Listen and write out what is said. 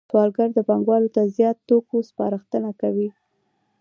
سوداګر پانګوالو ته د زیاتو توکو سپارښتنه کوي